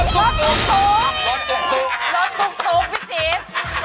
รถตุ๊กพี่จิ๊บ